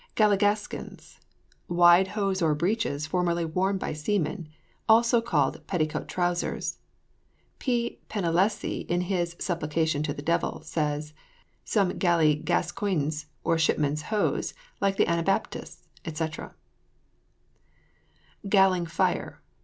GALLIGASKINS. Wide hose or breeches formerly worn by seamen also called petticoat trousers. P. Penilesse, in his Supplication to the Divell, says: "Some gally gascoynes or shipman's hose, like the Anabaptists," &c. GALLING FIRE.